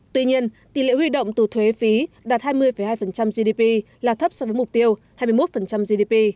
tuy nhiên tỷ lệ huy động từ thuế phí đạt hai mươi hai gdp là thấp so với mục tiêu hai mươi một gdp